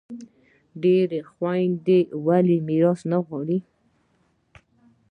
ډیری خویندي ولي میراث نه غواړي؟